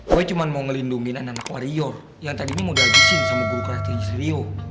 gue cuma mau ngelindungin anak anak warior yang tadi nih mau dagisin sama guru karakteris rio